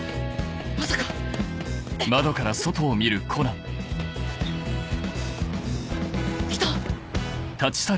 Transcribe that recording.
まさか⁉いた！